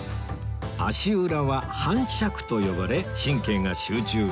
足裏は反射区と呼ばれ神経が集中